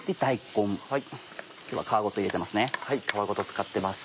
今日は皮ごと入れてます。